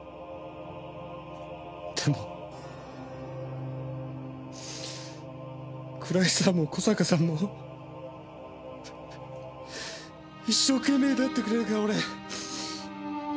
でも倉石さんも小坂さんも一生懸命になってくれるから俺。